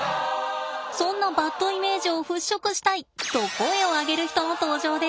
そんなバッドイメージを払拭したい！と声を上げる人の登場です。